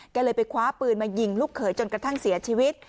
ก็เลยไปคว้าปืนมายิงลูกเขยจนกระทั่งเสียชีวิต